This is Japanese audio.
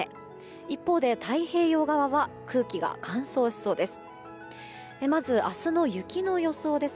一方で太平洋側は空気が乾燥しそうです。